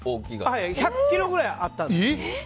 １００ｋｇくらいあったんですよ。